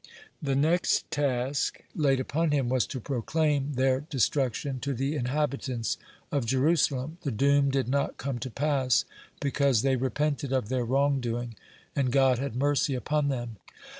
(25) The next task laid upon him was to proclaim their destruction to the inhabitants of Jerusalem. (26) The doom did not come to pass, because they repented of their wrong doing, and God had mercy upon them.